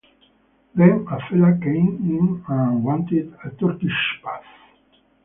Then a fella came in and wanted a Turkish bath.